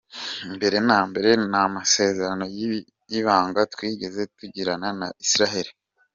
Mbere na mbere nta masezerano y’ibanga twigeze tugirana na Israel.